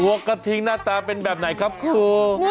กระทิงหน้าตาเป็นแบบไหนครับครู